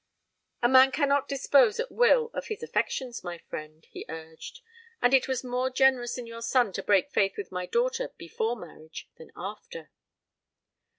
"A man cannot dispose at will of his affections, my friend," he urged; "and it was more generous in your son to break faith with my daughter before marriage than after."